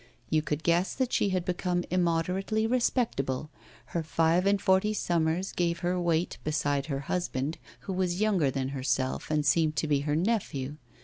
You could guess that she had become immoderately respectable; her five and forty summers gave her weight beside her husband, who was younger than herself and seemed to be her nephew.